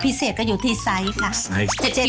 พิเศษก็อยู่ที่ไซส์ค่ะ